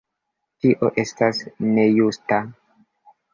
Tio estas nejusta.